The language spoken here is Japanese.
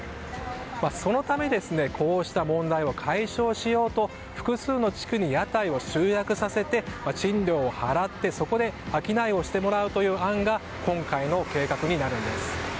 そのためこうした問題を解消しようと複数の地区に屋台を集約させて賃料を払って、そこで商いをしてもらうという案が今回の計画になるんです。